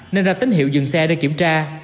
nên ra tín hiệu dừng xe để kiểm tra